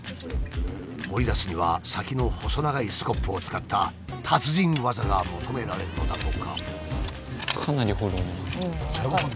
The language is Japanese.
掘り出すには先の細長いスコップを使った達人技が求められるのだとか。